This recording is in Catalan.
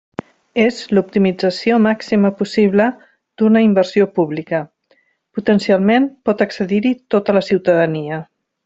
És l'optimització màxima possible d'una inversió pública: potencialment pot accedir-hi tota la ciutadania.